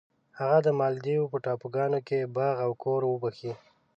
هغه د مالدیو په ټاپوګانو کې باغ او کور وبخښی.